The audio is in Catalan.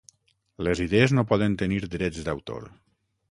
Les idees no poden tenir drets d'autor.